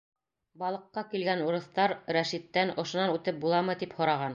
Балыҡҡа килгән урыҫтар Рәшиттән, ошонан үтеп буламы, тип һораған.